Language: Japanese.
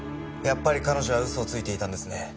やっぱり彼女は嘘をついていたんですね。